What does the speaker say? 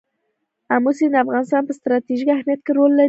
آمو سیند د افغانستان په ستراتیژیک اهمیت کې رول لري.